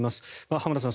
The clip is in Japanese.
浜田さん